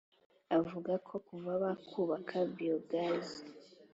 avuga ko kuva bakubaka biyogazi